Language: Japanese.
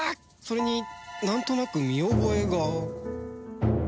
それになんとなく見覚えが